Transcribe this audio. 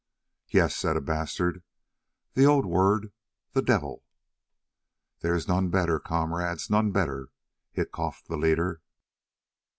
"Yes," said a Bastard, "the old word, 'the Devil.'" "There is none better, comrades, none better," hiccoughed the leader.